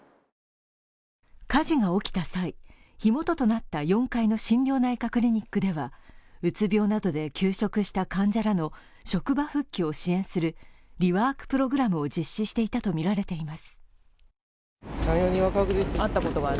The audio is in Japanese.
火事が起きた際、火元となった４階の心療内科クリニックでは、うつ病などで休職した患者らの職場復帰を支援するリワークプログラムを実施していたとみられています。